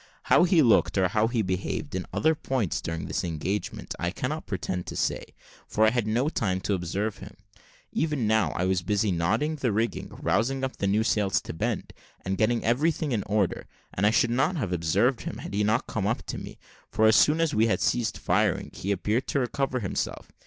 How he looked, or how he behaved in other points during the engagement, I cannot pretend to say, for I had no time to observe him. Even now, I was busy knotting the rigging, rousing up new sails to bend, and getting everything in order, and I should not have observed him, had he not come up to me; for as soon as we had ceased firing he appeared to recover himself.